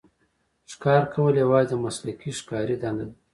ښکار کول یوازې د مسلکي ښکاري دنده ده.